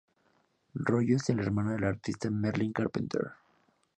Rollo es el hermano del artista Merlin Carpenter.